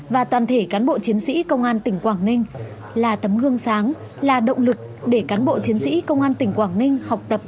và toàn thể cán bộ chiến sĩ công an tỉnh quảng ninh là tấm gương sáng là động lực để cán bộ chiến sĩ công an tỉnh quảng ninh học tập